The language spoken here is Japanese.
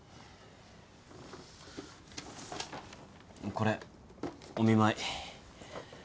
これお見舞い。